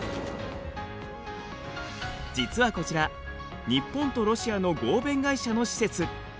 実はこちら日本とロシアの合弁会社の施設。